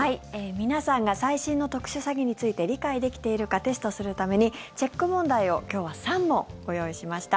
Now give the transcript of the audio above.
皆さんが最新の特殊詐欺について理解できているかテストするためにチェック問題を今日は３問ご用意しました。